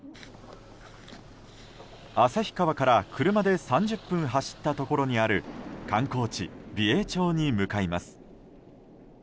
旭川から車で３０分走ったところにある観光地・美瑛町に向かいます。